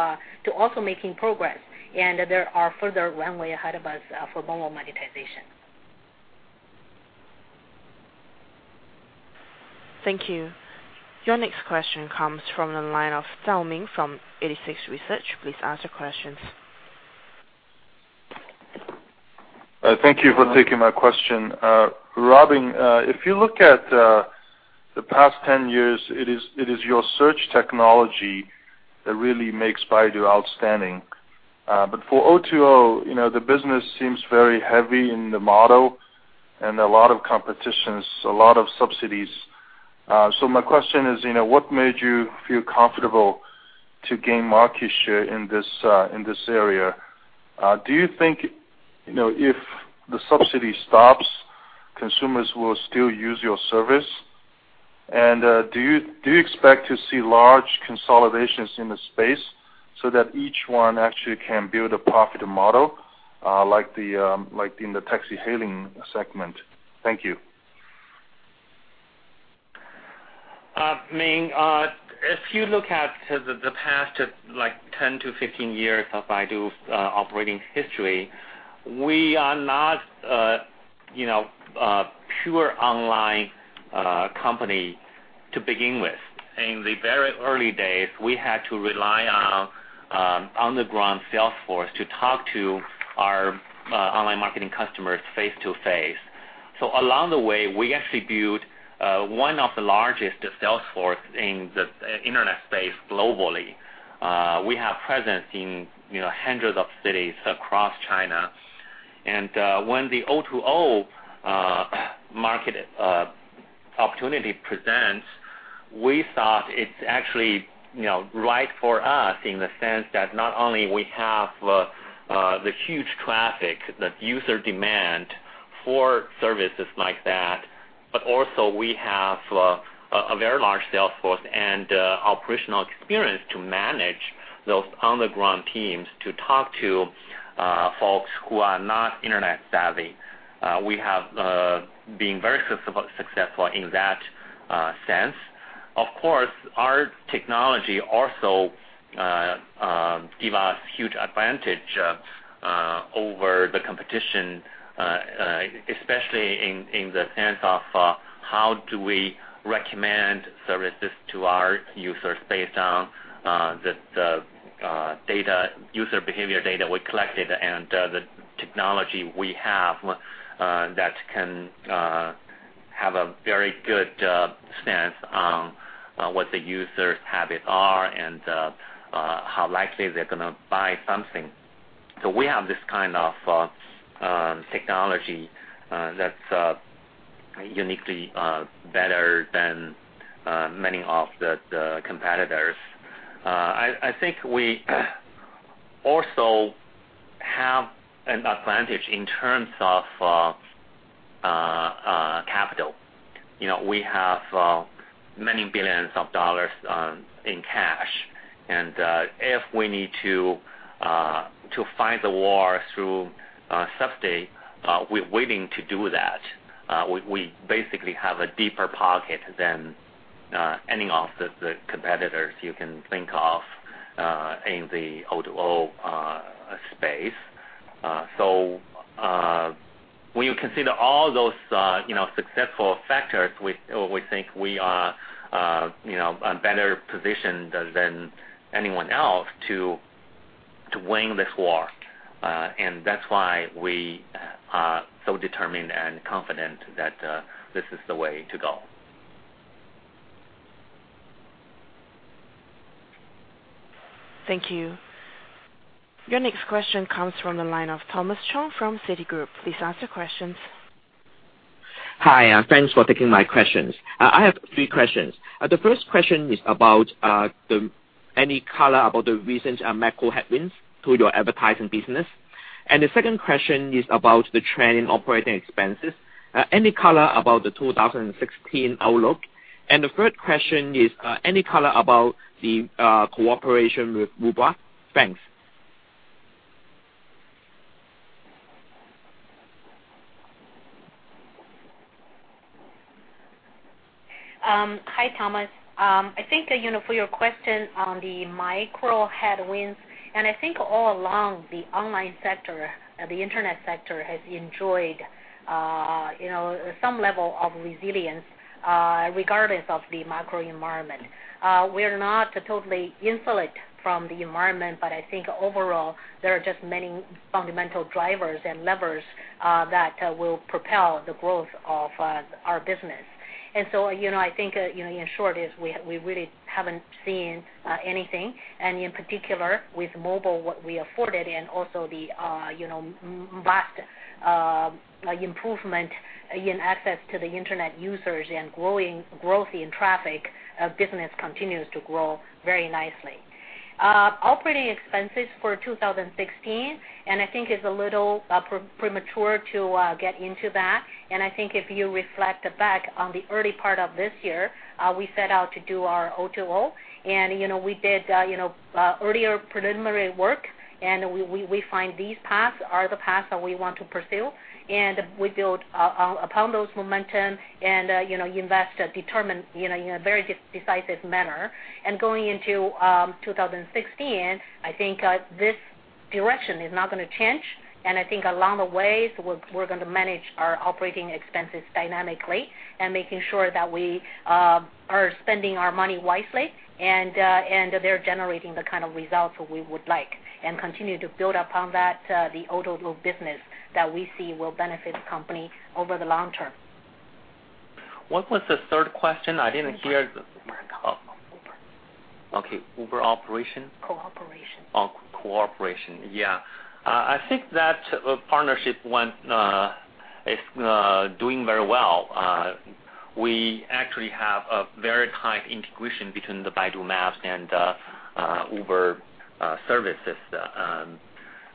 also making progress, there are further runway ahead of us for mobile monetization. Thank you. Your next question comes from the line of Zhao Ming from 86Research. Please ask your questions. Thank you for taking my question. Robin, if you look at the past 10 years, it is your search technology that really makes Baidu outstanding. For O2O, the business seems very heavy in the model and a lot of competitions, a lot of subsidies. My question is, what made you feel comfortable to gain market share in this area. Do you think, if the subsidy stops, consumers will still use your service? Do you expect to see large consolidations in the space so that each one actually can build a profitable model, like in the taxi hailing segment? Thank you. Ming, if you look at the past 10 to 15 years of Baidu's operating history, we are not a pure online company to begin with. In the very early days, we had to rely on the ground sales force to talk to our online marketing customers face-to-face. Along the way, we actually built one of the largest sales force in the Internet space globally. We have presence in hundreds of cities across China. When the O2O market opportunity presents, we thought it's actually right for us in the sense that not only we have the huge traffic, the user demand for services like that, but also we have a very large sales force and operational experience to manage those on-the-ground teams to talk to folks who are not Internet savvy. We have been very successful in that sense. Of course, our technology also give us huge advantage over the competition, especially in the sense of how do we recommend services to our users based on the user behavior data we collected and the technology we have that can have a very good stance on what the user's habit are and how likely they're going to buy something. We have this kind of technology that's uniquely better than many of the competitors. I think we also have an advantage in terms of capital. We have many billions of RMB in cash. If we need to fight the war through subsidy, we're willing to do that. We basically have a deeper pocket than any of the competitors you can think of in the O2O space. When you consider all those successful factors, we think we are better positioned than anyone else to win this war. That's why we are so determined and confident that this is the way to go. Thank you. Your next question comes from the line of Thomas Chong from Citigroup. Please ask your questions. Hi. Thanks for taking my questions. I have three questions. The first question is about any color about the recent macro headwinds to your advertising business. The second question is about the trend in operating expenses. Any color about the 2016 outlook? The third question is, any color about the cooperation with Uber? Thanks. Hi, Thomas. I think for your question on the macro headwinds, I think all along, the online sector or the internet sector has enjoyed some level of resilience regardless of the macro environment. We're not totally insulate from the environment, but I think overall, there are just many fundamental drivers and levers that will propel the growth of our business. I think in short is we really haven't seen anything, in particular with mobile, what we afforded and also the vast improvement in access to the internet users and growth in traffic, business continues to grow very nicely. Operating expenses for 2016, I think it's a little premature to get into that. I think if you reflect back on the early part of this year, we set out to do our O2O, we did earlier preliminary work, we find these paths are the paths that we want to pursue. We build upon those momentum and invest determined in a very decisive manner. Going into 2016, I think this direction is not going to change, I think along the way, we're going to manage our operating expenses dynamically and making sure that we are spending our money wisely, they're generating the kind of results we would like. We continue to build upon that, the O2O business that we see will benefit the company over the long term. What was the third question? I didn't hear. Uber. Oh, okay. Uber operation? Cooperation. Oh, cooperation. Yeah. I think that partnership went It's doing very well. We actually have a very tight integration between the Baidu Maps and Uber services.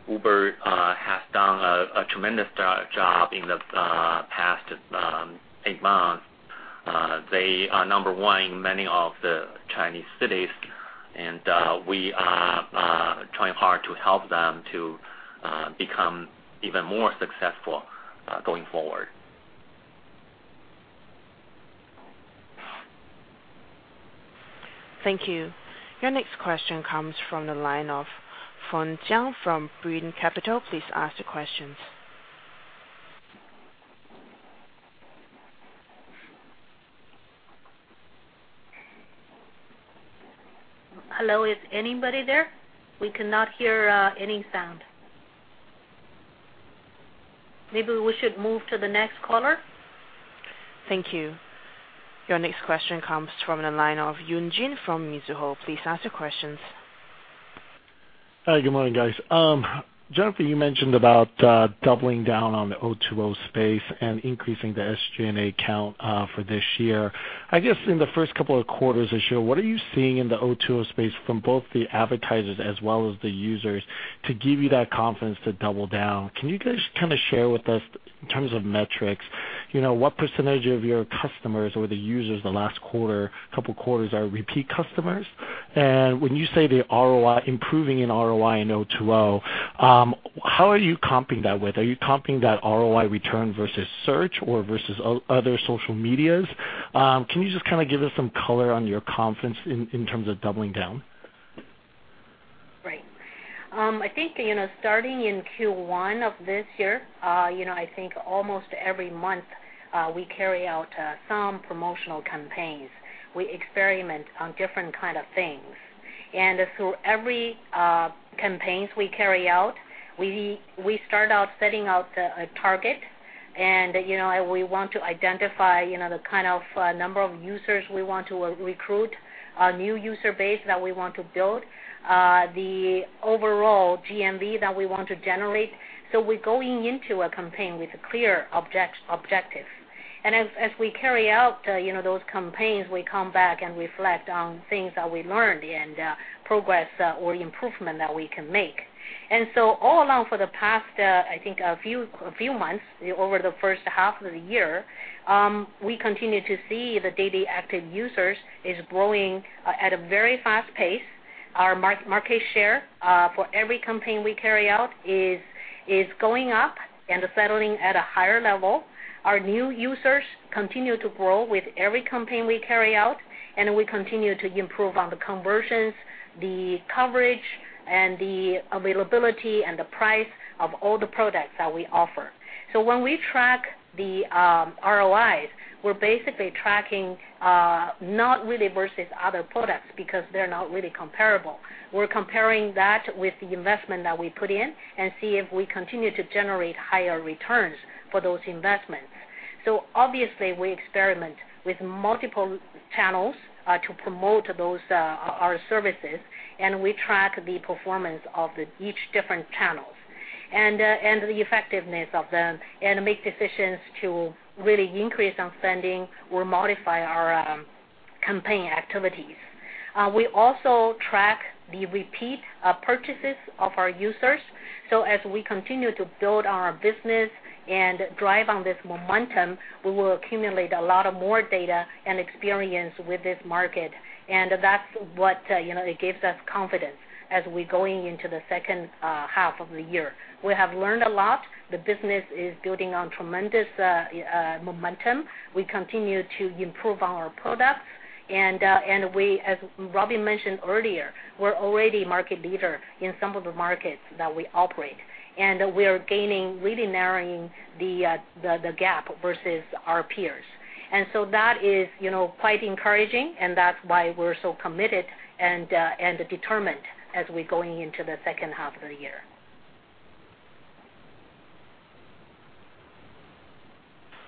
Uber has done a tremendous job in the past eight months. They are number one in many of the Chinese cities, and we are trying hard to help them to become even more successful going forward. Thank you. Your next question comes from the line of Feng Jiang from Bain Capital. Please ask your questions. Hello, is anybody there? We cannot hear any sound. Maybe we should move to the next caller. Thank you. Your next question comes from the line of Jin Yoon from Mizuho. Please ask your questions. Hi, good morning, guys. Jennifer, you mentioned about doubling down on the O2O space and increasing the SG&A count for this year. I guess in the first couple of quarters this year, what are you seeing in the O2O space from both the advertisers as well as the users to give you that confidence to double down? Can you guys kind of share with us in terms of metrics, what % of your customers or the users the last couple quarters are repeat customers? When you say they're improving in ROI in O2O, how are you comping that with? Are you comping that ROI return versus search or versus other social medias? Can you just kind of give us some color on your confidence in terms of doubling down? Right. I think starting in Q1 of this year, I think almost every month, we carry out some promotional campaigns. We experiment on different kind of things. Every campaigns we carry out, we start out setting out a target and we want to identify the kind of number of users we want to recruit, a new user base that we want to build, the overall GMV that we want to generate. We're going into a campaign with a clear objective. As we carry out those campaigns, we come back and reflect on things that we learned and progress or improvement that we can make. All along for the past, I think a few months over the first half of the year, we continue to see the daily active users is growing at a very fast pace. Our market share, for every campaign we carry out, is going up and settling at a higher level. Our new users continue to grow with every campaign we carry out, and we continue to improve on the conversions, the coverage, and the availability and the price of all the products that we offer. When we track the ROIs, we're basically tracking, not really versus other products, because they're not really comparable. We're comparing that with the investment that we put in and see if we continue to generate higher returns for those investments. Obviously, we experiment with multiple channels to promote our services, and we track the performance of each different channels and the effectiveness of them, and make decisions to really increase on spending or modify our campaign activities. We also track the repeat purchases of our users. As we continue to build our business and drive on this momentum, we will accumulate a lot of more data and experience with this market. That's what gives us confidence as we're going into the second half of the year. We have learned a lot. The business is building on tremendous momentum. We continue to improve our products. As Robin mentioned earlier, we're already market leader in some of the markets that we operate. We are gaining, really narrowing the gap versus our peers. That is quite encouraging, and that's why we're so committed and determined as we're going into the second half of the year.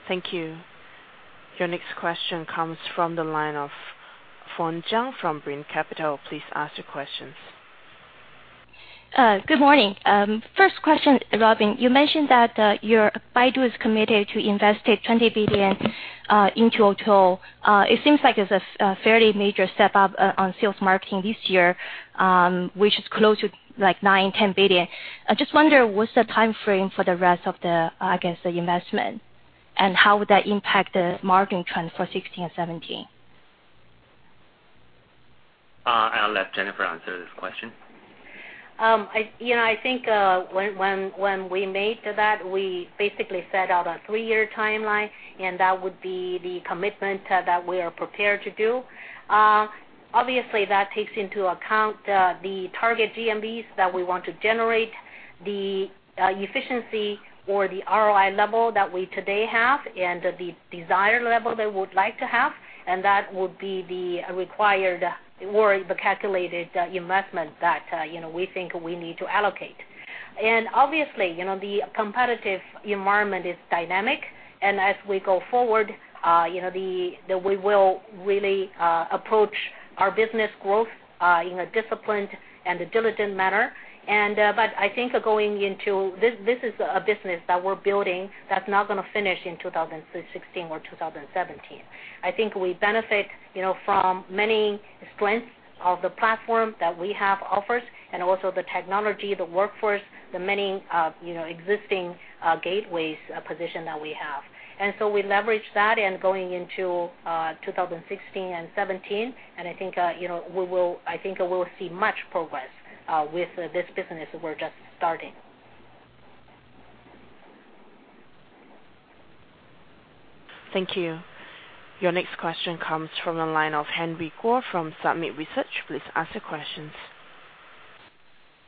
Thank you. Your next question comes from the line of Feng Jiang from Bain Capital. Please ask your questions. Good morning. First question, Robin, you mentioned that Baidu is committed to investing 20 billion into O2O. It seems like it's a fairly major step up on sales marketing this year, which is close to like 9 billion-10 billion. I just wonder, what's the timeframe for the rest of the, I guess, the investment, and how would that impact the marketing trend for 2016 and 2017? I'll let Jennifer answer this question. I think when we made that, we basically set out a three-year timeline, and that would be the commitment that we are prepared to do. Obviously, that takes into account the target GMVs that we want to generate, the efficiency or the ROI level that we today have, and the desired level that we would like to have, and that would be the required or the calculated investment that we think we need to allocate. Obviously, the competitive environment is dynamic. As we go forward, we will really approach our business growth in a disciplined and a diligent manner. I think this is a business that we're building that's not going to finish in 2016 or 2017. I think we benefit from many strengths of the platform that we have offered and also the technology, the workforce, the many existing gateways position that we have. We leverage that and going into 2016 and 2017. I think we'll see much progress with this business we're just starting. Thank you. Your next question comes from the line of Henry Guo from Summit Research. Please ask your questions.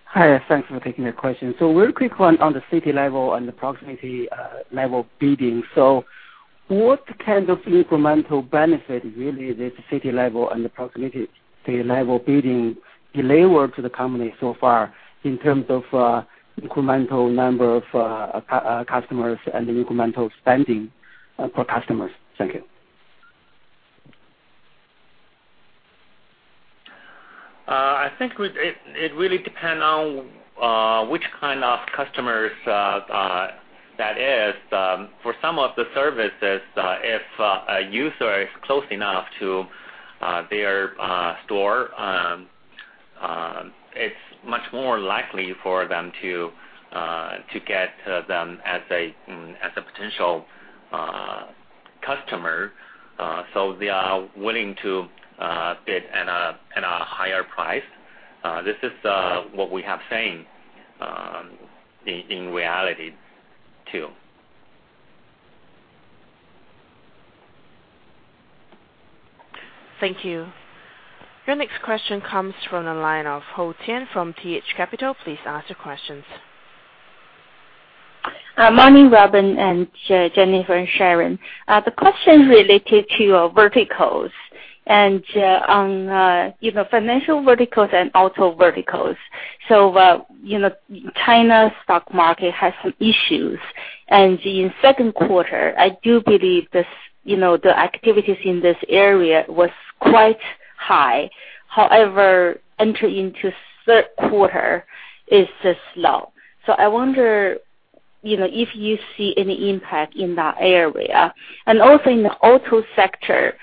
Hi. Thanks for taking my question. Real quick on the city level and the proximity level bidding. What kind of incremental benefit really this city level and the proximity level bidding deliver to the company so far in terms of incremental number of customers and incremental spending per customers? Thank you. I think it really depend on which kind of customers that is. For some of the services, if a user is close enough to their store, it's much more likely for them to get them as a potential customer, they are willing to bid in a higher price. This is what we have seen in reality, too. Thank you. Your next question comes from the line of Tian Hou from T.H. Capital. Please ask your questions. Morning, Robin and Jennifer, and Sharon. The question related to verticals, on financial verticals and auto verticals. China stock market has some issues, in second quarter, I do believe the activities in this area was quite high. However, entry into third quarter is slow. I wonder if you see any impact in that area. Also in the auto sector,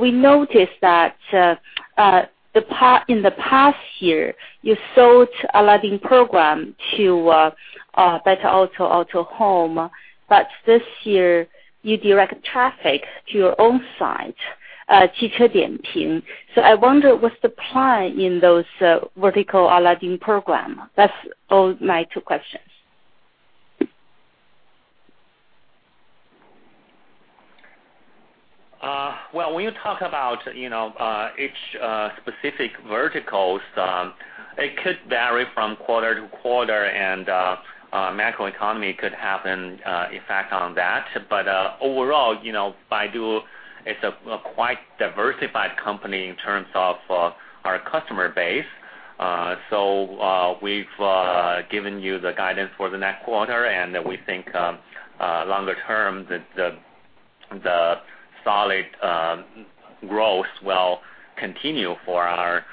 we noticed that in the past year, you sold a lot in program to Bitauto, Autohome, but this year you direct traffic to your own site. I wonder what's the plan in those vertical Aladdin program? That's all my two questions. When you talk about each specific verticals, it could vary from quarter to quarter and macroeconomy could have an effect on that. Overall, Baidu is a quite diversified company in terms of our customer base. We've given you the guidance for the next quarter, and we think longer term, the solid growth will continue for our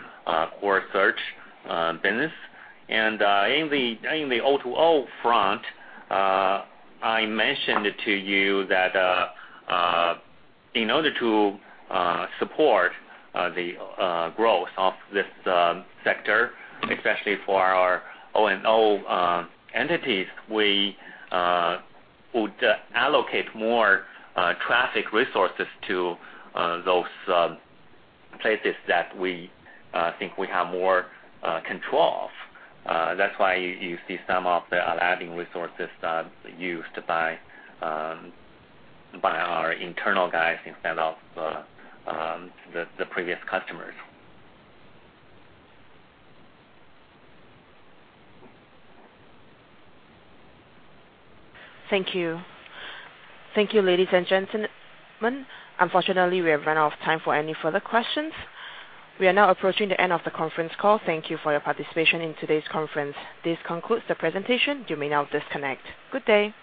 core search business. In the O2O front, I mentioned to you that in order to support the growth of this sector, especially for our O&O entities, we would allocate more traffic resources to those places that we think we have more control of. That's why you see some of the Aladdin resources used by our internal guys instead of the previous customers. Thank you. Thank you, ladies and gentlemen. Unfortunately, we have run out of time for any further questions. We are now approaching the end of the conference call. Thank you for your participation in today's conference. This concludes the presentation. You may now disconnect. Good day.